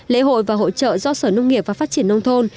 lễ hội và hội trợ do sở nông nghiệp và phát triển nông thôn